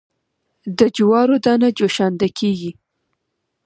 د جوارو دانه جوشانده کیږي.